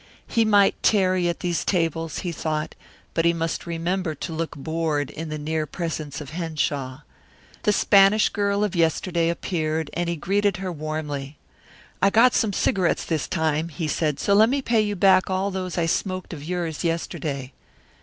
He might tarry at these tables, he thought, but he must remember to look bored in the near presence of Henshaw. The Spanish girl of yesterday appeared and he greeted her warmly. "I got some cigarettes this time," he said, "so let me pay you back all those I smoked of yours yesterday."